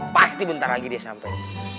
pasti bentar lagi dia sampai